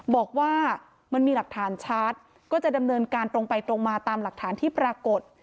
บอกว่ามันมีหลักฐานชัดก็จะดำเนินการตรงไปตรงมาตามหลักฐานที่ปรากฏ